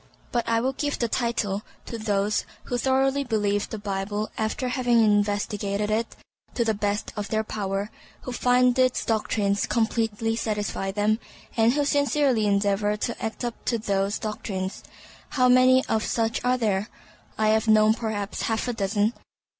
But I would give the title to those who thoroughly believe the Bible after having investigated it to the best of their power, who find its doctrines completely satisfy them, and who sincerely endeavor to act up to those doctrines. How many of such are there? I have known perhaps half a dozen.